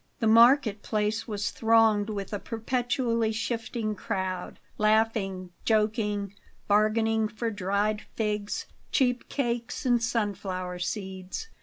The market place was thronged with a perpetually shifting crowd, laughing, joking, bargaining for dried figs, cheap cakes, and sunflower seeds.